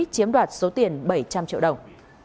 chiếm đoạt số tiền bảy trăm linh triệu đồng